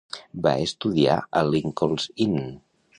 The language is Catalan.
Va estudiar a Linconln's Inn.